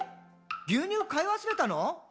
牛乳買い忘れたの？」